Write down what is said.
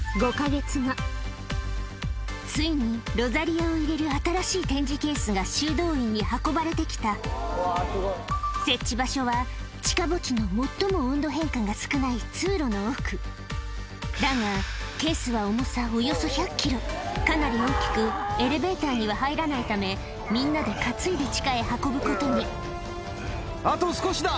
ついにロザリアを入れる新しい展示ケースが修道院に運ばれてきた設置場所は地下墓地の最も温度変化が少ない通路の奥だがかなり大きくエレベーターには入らないためみんなで担いで地下へ運ぶことにあと少しだ。